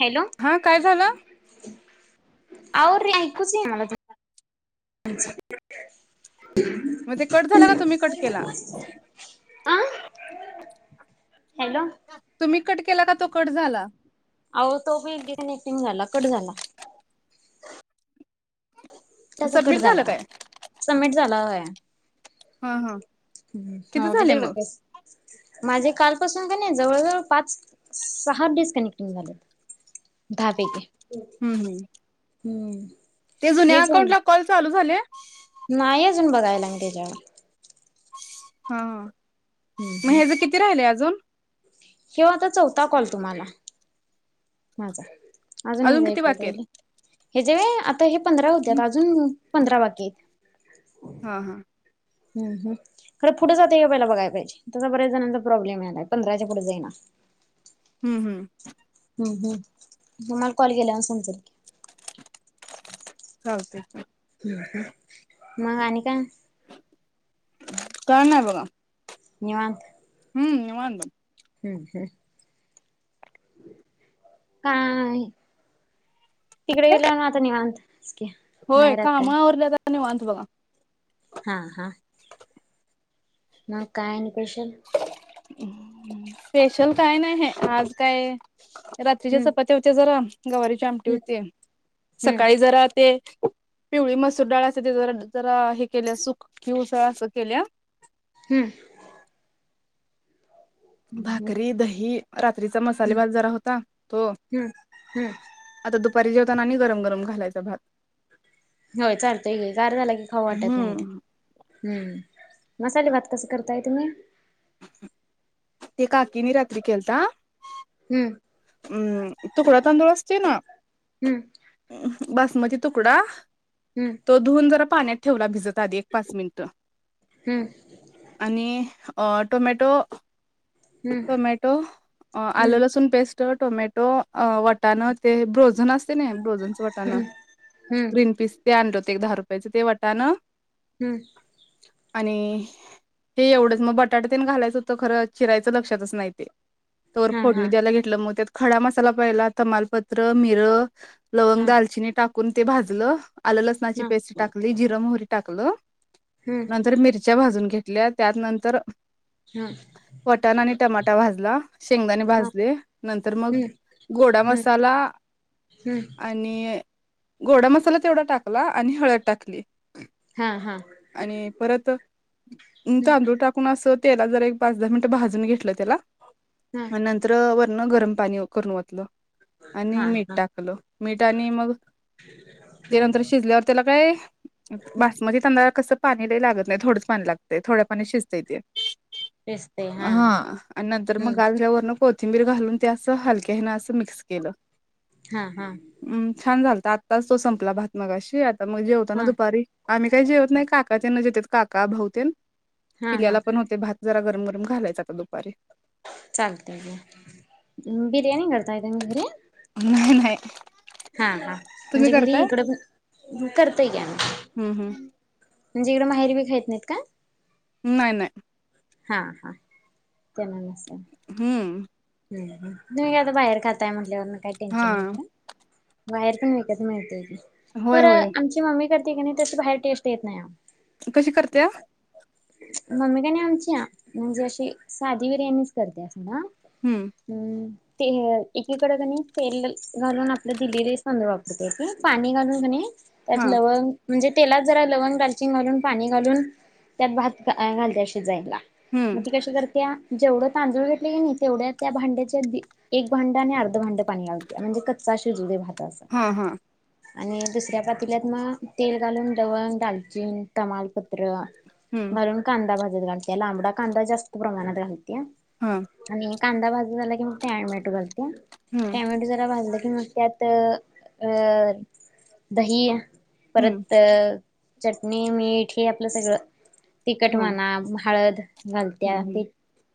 Hello हा काय झालं... आहो एकुच येईना... अच्छा... मग ते कट झाला का तुम्ही कट केला आई... तुम्ही कट केला की तो कट झाला... अहो तो पेडिग कटन एकटिंग झाला कट झाला. त्याचा कट सबमिट झाला झालं काय सबमिट झालाय होय, हा हा [inaudible] किती हो ते झाले तेकडं मग बस माझे काल का पुसून गेले जवळ ज पाच सहा डिस्कनेक्टिंग झालेत दहापैकी, हम्म हम्म हम्म, हम्म म, ते जुन्या अकाउंटला कॉल चालू झाले, नाही अजून बघायला म त्याच्याकडे हा मग हयाच किती राहिलय अजून हेव होता चौथा कॉल तुम्हाला, मोजा अजून हे किती बाकी वैतागले हे जेवे आता हे पंधरा आहेत होत्यात अजून पंधरा वा की, हा आ हा आ, हम् हम खरं पुढे जातंय पहिला बघायला पाहिजे त्याचा बऱ्याच जणांचा प्रॉब्लेम आहेला पंधराच्या पुढे जाईना हम्म अ हम्म अ हम् हम् तुम्हाला कॉल केला असल तर चालतय की हम्म मग आणि काय? टाईम आहे बघा निवांत, हम् निवांत आहे बघ, हम्म अ हम्म. काय ई [inaudible] तिकडे गेल्यावर आता निवांत. होय काम आवरल्या वर निवांत बघा, हा आ हा, मग काय आणि स्पेशल. स्पेशल काय नाहीये आहे आज काय रात्रीच्या हम्म चपात्या होत्या जरा गवारीची आमटी हम्म होती सकाळी हम्म जरा ते पिवळी मसूर डाळा ज जरा हे केले असेल कि उसळ अस केल्या, हम्म हम्म भाकरी दही, रात्रीचा मसाले हम्म. भात जरा होता तो हम्म हम्म आता दुपारी जेवताना आणि गरम-गरम घालायचा भात. हो चालतंय की गार झाला की खाऊ वाटत नाही हम्म हम्म, मसाले भात कस करताय तुम्ही, ते काकीन रात्री केलता. हम्म म, हम्म तुकडा तांदूळ असतो ना हम्म मम. बासमती तुकडा तो धुऊन जरा पाण्यात ठेवला भिजत आधी एक पाच मिनटं हम्म आणि टोमॅटो हम्म टोमॅटो आल हम्म लसूण पेस्ट टोमॅटो अ वाटाणा ते ब्रोझन असते ना ब्रोझनचं वटाणं हम्म. हम्म ग्रीन पीस ते आणल ते दहा रुपयाचं ते वटान हम्म मम, आणि हे एवढंच मग बटाट तेन घालायचं होत खरं चिरायचं लक्षातच नाही ते तोवर हा हा फोडणी द्यायला घेतलं मग त्यात खडा मसाला पाहिला तमालपत्र मिर लवंग हा दालचिनी टाकून ते भाजलं आलं लसणाची हा पेस्ट टाकली जिर मोहरी टाकलं हम्म नंतर मिरच्या भाजून घेतल्या त्यातनंतर. हा वटण आणि टमाटा भाजला शेंगदाणे हा भाजले. नंतर मग हम्म गोडा हम्म मसाला हम्म आणि गोडा मसाला तेवढा टाकला आणि हळद टाकली हा हा हम्म आणि परत तांदूळ टाकून आणि पाच दहा मिनिट भाजून घेतलं त्याला हा नंतर वरण गरम पाणी करून वातलं आणि हा मीठ हा टाकल मीठ आणि मग ते नंतर हम्म शिजल्यावर त्याला काय बासमती तांदळा कस पाणी नाही लागत नाहीथोडच पाणी लागते थोड्या पा शिजता ते तेच ते हा आणि नंतर मग हम्म गार झालेवर बर घालून अस हलक्या अस मिक्स केलं हा हा छान झालं आत्ताच तो संपला भात मगाशी आता मग जेवता ना हा दुपारी आम्ही काही जेवत नाही काका त्यांना जेत काका भावते हा हा पिल्याला पण होते भात जरा गरम गरम घालायचा आता दुपारी चालते आहेम बिर्याणी करताय मग घरी नाही नाही हा ह तुम्ही म्हणजे घरी करताय इकडं पण करतय की आम्ही हम्म हम्म म्हणजे इकडं माहेरी ब खायत नाहीत का नाही नाही हा हा ते हम्म तुम्ही आता बाहेर खाताय म्हंटल्यावर काही हा टेन्शन नाही खरा बाहेर पण विकत मिळते की होय तर होय आमची मम्मी करते की नाही त्यास बाहेर टेस्ट येत नाही कशी करते मम्मी का आणि आमची म्हणजे अशी साधी बिर्याणीच करते अस ह हम्म ते एकीकडे कणी तेल घालून आपलं दिल्ली रईस तांदूळ वापरते क पाणी घालून कनी हा त्यात लवंग म्हणजे तेलात जरा लवण दलाची घालून पाणी घालून त्यात भात घालते शिजयला मग हम्म ती कशी करते जेवढं तांदूळ घेतले ग तेवढ्या त्या भांड्याच्या एक भांडं आणि अर्ध भांडं पाणी घालते म्हणजे कच्च भात शिजू दे म्हणून हा हा आणि दुसऱ्या पातील्यात मग तेल घालून लवंग दालचीन तमालपत्र हम्म घालून कांदा भाजत घालते लांबडा कांदा जास्त प्रमाणात घालत हा आणि कांदा भाजून कि टॅमेटो घालते हम्म टॅमेट जरा भाजला कम त्यात अ दही हम्म परत चटणी मीठ हे आपलं सगळं तिखट हम्म माना हळद घालत्या ते हम्म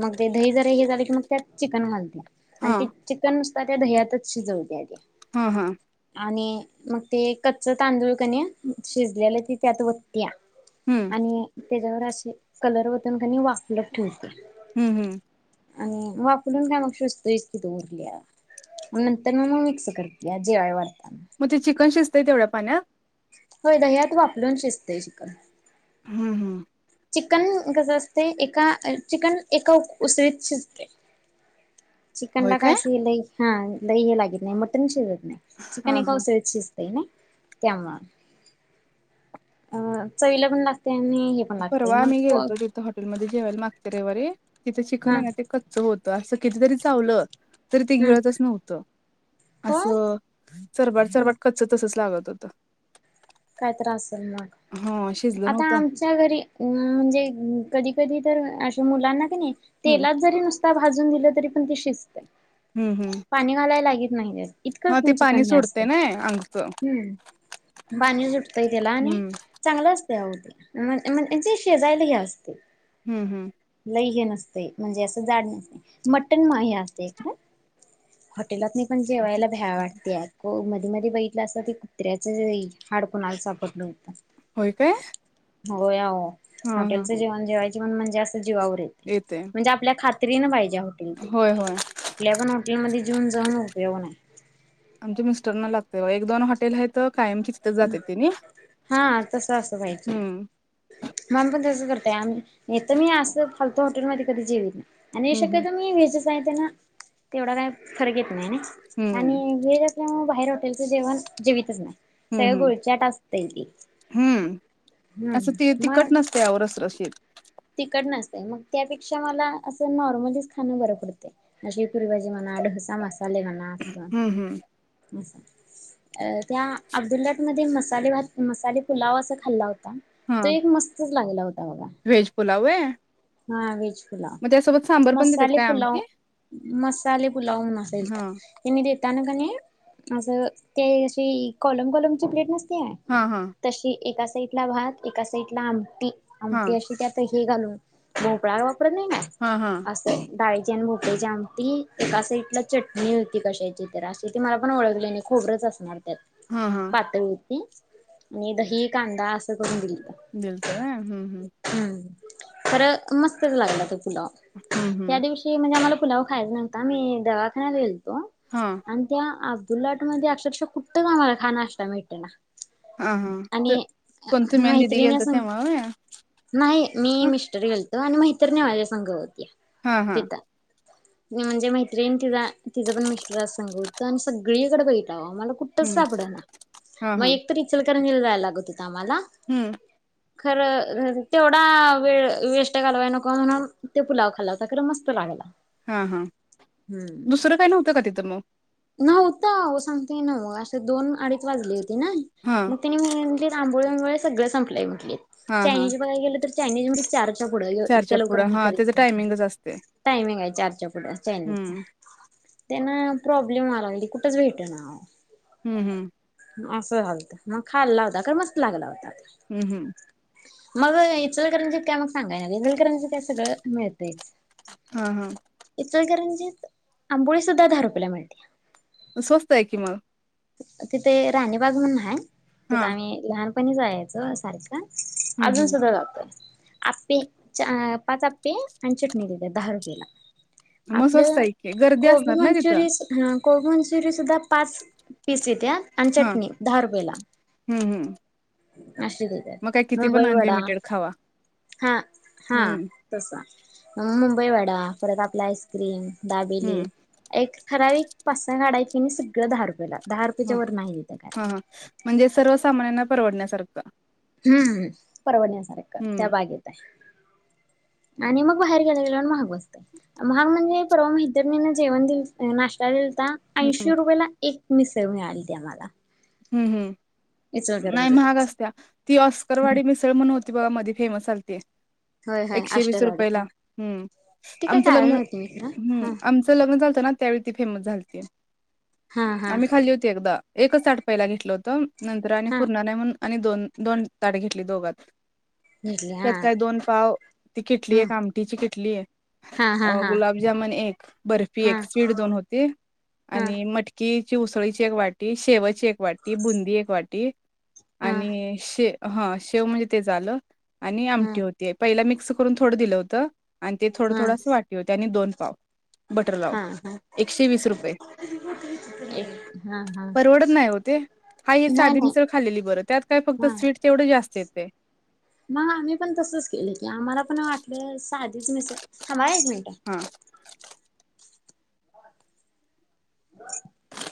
मग ते दही जर हे झाले की मग त्यात चिकन घालत्या आणि हा ती चिकन नुसता त्या दह्यातच शिजवते आधी हा हा आणि मग ते कच्च तांदूळ कणी शिजलेलं त त्या आत वत्तीया हम्म आणि त्याच्यावर असे कलर वतून कनी वाफलत ठेवते हम्म हम्म आणि मग वापरून काग शोसतोयच तिथ उरल्या मग नंतर मग मी मिक्स करते जेवाय वाढतात मग ते चिकन शिजतते ते एवढा पाण्यात होय दह्यात वापरून शिजते चिकन हम् हम् चिकन कसं असते एका चिकन एका उसळीत शिजते चिकनला काय अस लई हा लई हे लागत नाही मटन शिजत नाही चिकन हा एक हा औसळत शिजत त्यामु अ चईलं पण लागत त्या हे पण लाग परवा आम्ही गेलतो. तिथं हॉटेलमध्ये जेवायला मागच्या रविवारी तिथे चिकन हा आहे, ना ते कच्च होत असं कितीतरी चावलं तरी ते हम्म गिळतच नव्हत, हो असं हम्म सरबाट सरवाट कच्च तसचं लागत होत. काय तर असलं मग, शिजलं आता नव्हतं आमच्या घरी अ म्हणजे कधी कधी तर अ मुलांना कनइ हम्म तेलात जरी नुसता, भाजून दिलं तरी पण ते शिज हम्म हम्म पाणी घालाय लागित नाही, त्यात इतकं हा ते तुमच [unintelligible] पाणी हे सोडतय असतंय, ना अंगच हम्म! पाणी सुुटतयं त्याला आणि हम्म चांगलं असतय, अवो ते [unintelligible] शेजायला हे असते. हम्म हम्म! हे नसतयं म्हणजे, असं जाड नसतयं मटन मा हे असतंय काय? हटेलातणी पण जेवायला भ्या वाटतेय मध्ये मध्ये बघितलं असं ते कुत्र्याचई हाड कुणाला सापडल होतं. हो काय? हो या हा हा हॉटेलचं जेवण जेवायचे, म्हण म्हणजे असं जीवावर येतयं येते म्हणजे, आपल्या खात क्लिन पाहिजे, हॉटेल ते होय होय कुठल्या पण हॉटेलमध्ये जेऊन जाऊन उपयोग नाही. आमच्या मिस्टर ना लागतयं. बघा एक दोन हॉटेल आहे. तर कायम तिथंचं जात्यात तेनी, हा तसं असं पाहिजे. हम्मा! [unintelligible] पण तसं करतयं आम येत मी असं फालतू हॉटेल मध्ये कधी जेवित नाही, आणि हम्म हम्म शक्यतो, मी व्हेज तेवढा काय फरक येत, नाही हम्म आणि [unintelligible] बाहेर हॉटेलच जेवण जेवितच नाही. हम्म सगळं हम्म गुळचाट असतंय ते हम ते तिखट नसतयं आव रसरशीत. तिखड नसतय, मग त्यापेक्षा मला असं नॉर्मलीच खाणं बरं पडतयं [unintelligible] पुरी, भाजी म्हणा डोसा मसालेे, म्हणा हम्म हम्म असं असं त्या अब्दुललाट मध्ये मसाले भात मसाले पुलाव असा खाल्ला होता. हा तो एक मस्तच लागला होता, बघा. व्हेज पुलाव होय. हा व्हेज. देतात मसालेे काय आमटी पुलाव, मसालेे पुुलाव नसेल हा तर, [unintelligible] त्यान कनइ माझ त्या दिवशी कॉलम कॉलमची प्लेट नसत्या हा हा तशी एका साईडला भात एका साईडला आमटी हा आमटी अशी त्या भोपळा वापरत नाही का, हा हा जास्त? डाळीची आणि भोपळ्याची आमटी एका साइडला चटणी होती. कशाची तर, अशी ती मला पण ओळखली नाही. खोबरच असणार, त्यात हा हा पातळीती आणि दही कांदा असं करून दिलं. गेलतो, व्हय हम्म हम्म! खरं मस्तच! लागला, तो पुलाव हम्म त्या हम्म दिवशी म्हणजे, आम्हाला पुलाव खायचा नव्हता, आ दवाखान्यात गेलतो. हा आणि त्या उलट म्हणजे अक्षरशः कुठंचंआम्हाला चहा, नाष्टा भेटना. हा हा त आणि कोणती मॅन दिदी मैत्रिणी गेलत स तेव्हा व्हय नाही. मी मिस्टर गेलतो. आणि मैत्रणी माझ्या संघ होत्या, हा हा तिथं. म्हणजे, मैत्रिण तिला तिचां पण मिस्टर संग होत. आणि सगळीकडे बघित मला कुठंच हम्म सापड ना हा मग, हा एकतरी इचलकरंजीला जायला लागत होत, आम्हाला. हम्म खरं तेवढं! थोडा वेळ वेष्ट घालवाय नको, म्हणून ते पुलाव खाल्ला हुता खरं मस्त लागला. हा हा दुसरं काय नव्हतं? का तिथं मग. नव्हतं. आव सांगतोय नव्ह, असे दोन अडीच वाजली होत, ना हां, मग तिने म आंबोळ्या बिंबोळ्या सगळं संपलं म्हटलीत, हां, हां. चायनीज बघायला गेलं, तर चायनीज मध्ये च्या पुढं इतक्या लवकर पुढं आम्ही, हां, करीत त्याचं नाही. टायमिंगच असते. टायमिंग आहे. चारच्या पुढ चा [inaudible] त्यांना प्रॉब्लेम आ लागली कुठंच भेट ना हम्म हम्म असं झालत मग खाल्ला होता ख मस्त लागला होता हम्म हम्म मग इचलकरांचीित काय मग सांगायना इचलकरांच काय सगळं मिळत हां, हां. इचलकरंजी म्हणजे आंबोळी सुद्धा दहा रुपयाला मिळते स्वस्त आहे कि मला तिथे राणीबाग म्हणून आहे तिथे हां, आम्ही लहानपणी जायच सारखं हं, अजून हं. सुद्धा जातय अपे पाच अपे आणि चटणी ले दहा रुपयेला मग स्वस्त आपलं आहे की. गर्दी असणार कोबी ना तिथं? मंचुरिय ह कोबी मंचुरी पण सुद्धदा पाच पिस आहे्या आणि हां, चटणी दहा रुपयेला हं, हं. अशी त मग काय किती पण मुंबई वडा अनलिमिटेड खावा. हा हा हं, तस मग मुंबई वाडा परत आपला आईस्क्रीम दाबेली हं. एक खरा एक पाच सहा गाडा आहेत कणी सगळं दहा रुपये ला ह हा ह म्हणजे सर्व सामान्यांना परवडण्यासारखं हम्म परवण्यासारखं त्या हं, बागेत आहे आणि मग बाहेर गेल्या गेल्या महाग बसत महाग म्हणजे परवा मैत्रिणी न जेवण दि नाश्ता दि आता हं, ऐंशी रुपयाेला एक मिसळ मिळाली द आ मला हम्म हम्म नाही महाग असत्या ती ऑस्करवाडी मिसळ म्हण होती बगा मध्ये फेमस असलते होय होय एकशे वीस अष्टरवाडी रुपयला हा हम्म ती काय आमचं खायला लग्न नव्हती मी हम् खरं आमचं लग्न चालतं ना त्यावेळी ती फेमस झालती हा हा हा आम्ही खाल्ली होती एकदा एकच ताट पहिला घेतलं होतं नंतर आणि हा पूर्ण नाही म्हणून आणि दोन दोन ताट घेतली दोघात घेतली त्यात हा काय दोन पाव ती खिटली हम्म आहे आमटीची खिटली आहे हा हा अ हा गुलाबजामन एक बर्फी हा एक हा स्वीड दोन होती हा आणि मटकी ची उसळीची एक वाटी शेवची एक वाटी बुंदी एक वाटी आणि शे हा शेव म्हणजे ते झालं आणि हा आमटी होती पहिला मिक्स करून थोडं दिलं होतं आणि ते थोडं हा थोडंस वाटी होते आणि दोन पाव बटर लावून हा हा एकशे वीस रुपये एक हा हा काा हे नाही साधी नाही मिसळ खालेली बरं त्यात काय फक्त हा स्वीट तेवढं जास्त येते मग आम्ही पण तसच केलं की आम्हाला पण वाटलं साधीच मिेसे आला मि हा